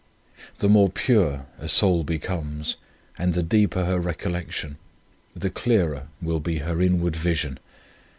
The more pure a soul becomes and the deeper her recollection, the clearer will be her inward vision.